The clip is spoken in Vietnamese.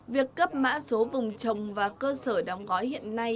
việc cấp mã số vùng trồng và cơ sở đóng gói hiện nay